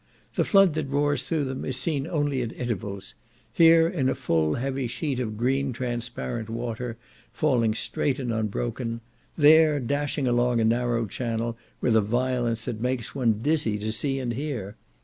The flood that roars through them is seen only at intervals; here in a full heavy sheet of green transparent water, falling straight and unbroken; there dashing along a narrow channel, with a violence that makes one dizzy to see and hear.